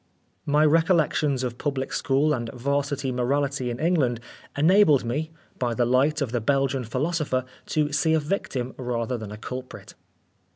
My recollections of public school and 'Varsity morality in England, enabled me, by the light of the Belgian philosopher, to see a victim rather than a culprit.